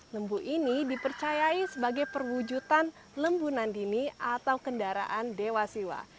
lembu ini dipercayai sebagai perwujudan lembunan dini atau kendaraan dewasiwa